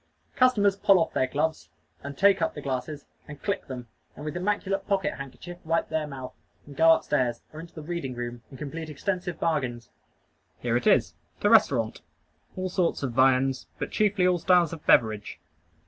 Customers pull off their gloves, and take up the glasses, and click them, and with immaculate pocket handkerchief wipe their mouth, and go up stairs, or into the reading room, and complete extensive bargains. Here it is the restaurant. All sorts of viands, but chiefly all styles of beverage.